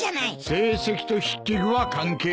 成績と筆記具は関係ない。